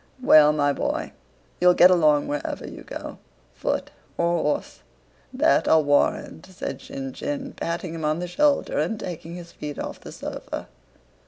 "Well, my boy, you'll get along wherever you go—foot or horse—that I'll warrant," said Shinshín, patting him on the shoulder and taking his feet off the sofa.